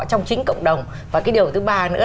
trong chính cộng đồng và cái điều thứ ba nữa